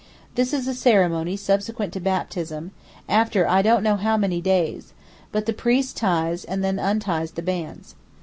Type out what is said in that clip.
This is a ceremony subsequent to baptism after I don't know how many days, but the priest ties and then unties the bands.